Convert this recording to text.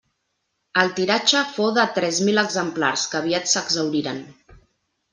El tiratge fou de tres mil exemplars, que aviat s'exhauriren.